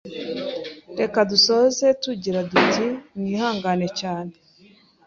Reka dusoze tugira tuti mwihangane cyane: